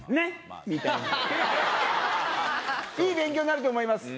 いい勉強になると思います。